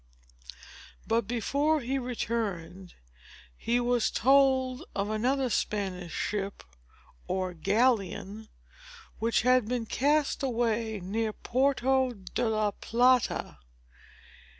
But, before he returned, he was told of another Spanish ship or galleon, which had been cast away near Porto de la Plata.